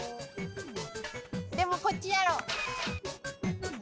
でもこっちやろ。